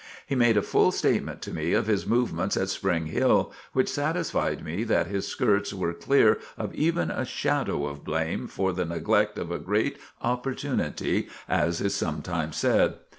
He made a full statement to me of his movements at Spring Hill, which satisfied me that his skirts were clear of even a shadow of blame for the neglect of a great opportunity, as is sometimes said.